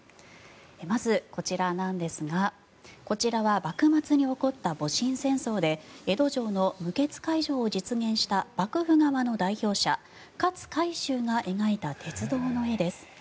まず、こちらなんですがこちらは幕末に起こった戊辰戦争で江戸城の無血開城を実現した幕府側の代表者、勝海舟が描いた鉄道の絵です。